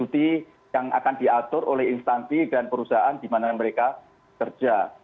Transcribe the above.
cuti yang akan diatur oleh instansi dan perusahaan di mana mereka kerja